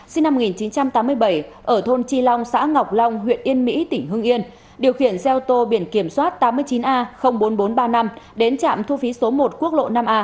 sinh năm một nghìn chín trăm tám mươi bảy ở thôn chi long xã ngọc long huyện yên mỹ tỉnh hương yên điều khiển xe ô tô biển kiểm soát tám mươi chín a bốn nghìn bốn trăm ba mươi năm đến trạm thu phí số một quốc lộ năm a